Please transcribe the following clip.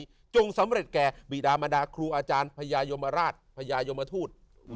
ในครั้งนี้จงสำเร็จแก่บิดามาดาครูอาจารย์พญายมราชพญายมทูต